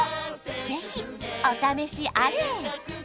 ぜひお試しあれ！